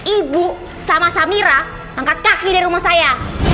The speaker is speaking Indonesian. ibu sama samira angkat kaki dari rumah saya